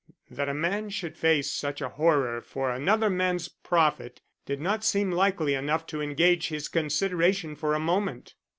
That a man should face such a horror for another man's profit did not seem likely enough to engage his consideration for a moment.